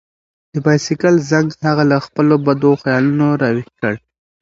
د بایسکل زنګ هغه له خپلو بدو خیالونو راویښ کړ.